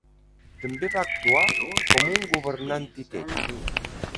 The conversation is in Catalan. També va actuar com un governant titella.